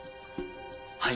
はい。